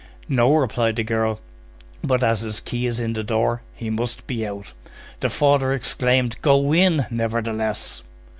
"No," replied the girl, "but as his key is in the door, he must be out." The father exclaimed:— "Go in, nevertheless."